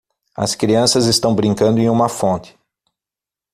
As crianças estão brincando em uma fonte.